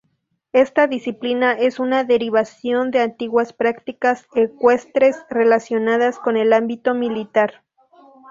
Esta disciplina es una derivación de antiguas prácticas ecuestres relacionadas con el ámbito militar.